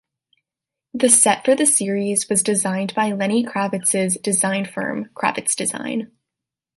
The set for the series was designed by Lenny Kravitz's design firm, Kravitz Design.